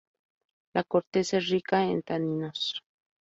La corteza es rica en taninos.